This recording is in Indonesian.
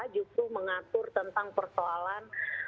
jutru mengatur tentang persoalan